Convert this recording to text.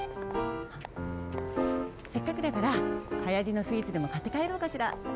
せっかくだからはやりのスイーツでもかってかえろうかしら。